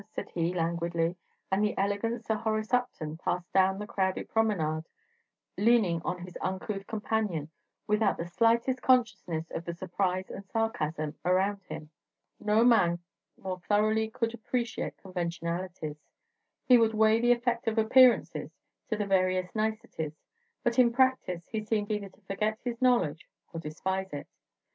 said he, languidly; and the elegant Sir Horace Upton passed down the crowded promenade, leaning on his uncouth companion, without the slightest consciousness of the surprise and sarcasm around him. No man more thoroughly could appreciate conventionalities; he would weigh the effect of appearances to the veriest nicety; but in practice he seemed either to forget his knowledge or despise it.